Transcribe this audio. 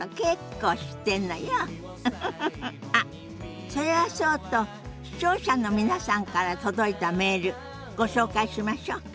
あっそれはそうと視聴者の皆さんから届いたメールご紹介しましょ。